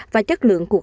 và chất lượng cuộc sống